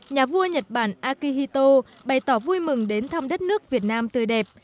nhà vua nhật bản akihito bày tỏ vui mừng đến thăm đất nước việt nam tươi đẹp